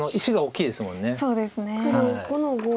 黒５の五。